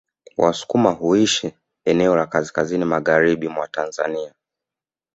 Wasukuma huishi eneo la kaskazini magharibi mwa Tanzania